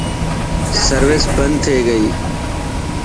سروس بند ٿي گئي.